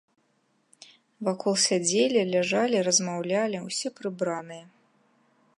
Вакол сядзелі, ляжалі, размаўлялі, усе прыбраныя.